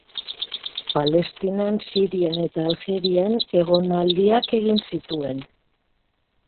Palestinan, Sirian eta Aljerian egonaldiak egin zituen.